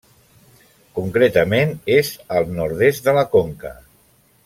Concretament és al nord-est de la conca.